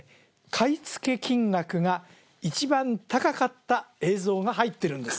買い付け金額が一番高かった映像が入ってるんです